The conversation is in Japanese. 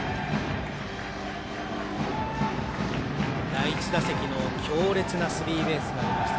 第１打席の強烈なスリーベースが出ました。